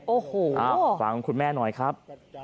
โอ้โหฟังคุณแม่หน่อยครับ